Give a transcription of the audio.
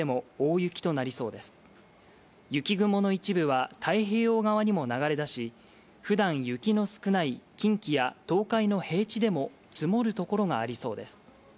雪雲の一部は太平洋側にも流れ出し普段、雪の少ない近畿や東海の平地でも積もるところがありそうです。